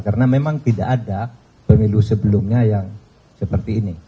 karena memang tidak ada pemilu sebelumnya yang seperti ini